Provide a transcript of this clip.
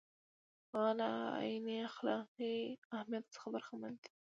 هغه له عیني اخلاقي اهمیت څخه برخمن دی.